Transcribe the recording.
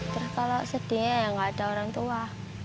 terus kalau sedihnya ya nggak ada orang tua